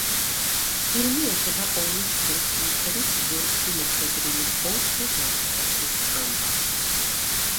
ფილმი ეხება ომის დროს მტრის ზურგში მოხვედრილი ოთხი ჯარისკაცის ამბავს.